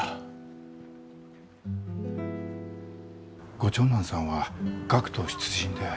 ご長男さんは学徒出陣で？